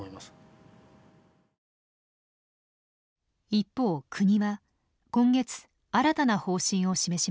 一方国は今月新たな方針を示しました。